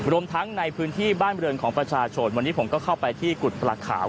รวมทั้งในพื้นที่บ้านบริเวณของประชาชนวันนี้ผมก็เข้าไปที่กุฎปลาขาว